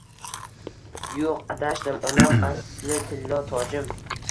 Yuq adashdim onam asli tillo tojim